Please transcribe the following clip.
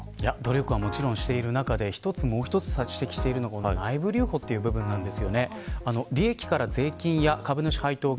努力はもちろんしている中でもう１つ指摘しているのが内部留保という部分です。